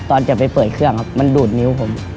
ตอนจะไปเปิดเครื่องครับมันดูดนิ้วผม